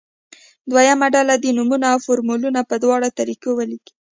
دویمه ډله دې نومونه او فورمولونه په دواړو طریقه ولیکي.